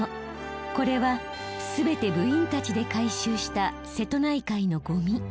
これはすべて部員たちで回収した瀬戸内海のゴミ。